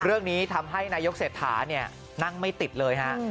เรื่องนี้ทำให้นายกเศรษฐาเนี่ยนั่งไม่ติดเลยฮะ